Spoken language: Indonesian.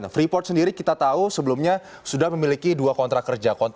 freeport sendiri kita tahu sebelumnya sudah memiliki dua kontrak kerja